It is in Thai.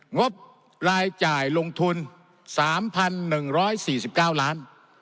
งบรายจ่ายลงทุน๓๑๔๙ล้าน